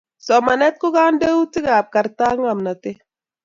Somanet ko kandeutikap karta ak ngomnotet